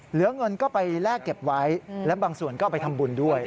เหลือเงินก็ไปแลกเก็บไว้และบางส่วนก็เอาไปทำบุญด้วย